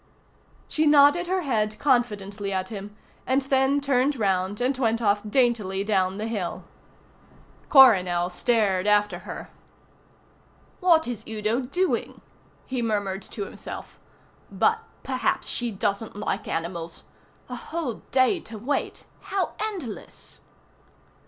She nodded her head confidently at him, and then turned round and went off daintily down the hill. Coronel stared after her. "What is Udo doing?" he murmured to himself. "But perhaps she doesn't like animals. A whole day to wait. How endless!"